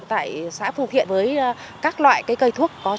tại xã phương thiện với các loại cây thuốc